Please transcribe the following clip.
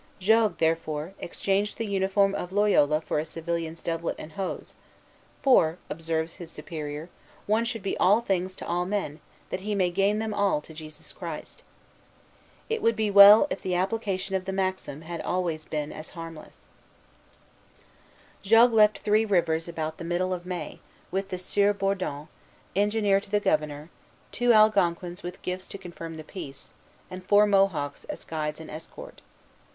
Jogues, therefore, exchanged the uniform of Loyola for a civilian's doublet and hose; "for," observes his Superior, "one should be all things to all men, that he may gain them all to Jesus Christ." It would be well, if the application of the maxim had always been as harmless. "Ibo et non redibo." Lettre du P. Jogues au R. P. No date. Lalemant, Relation, 1646, 15. Jogues left Three Rivers about the middle of May, with the Sieur Bourdon, engineer to the Governor, two Algonquins with gifts to confirm the peace, and four Mohawks as guides and escort.